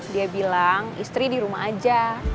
dia bilang istri di rumah aja